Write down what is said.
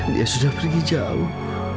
dia sudah pergi jauh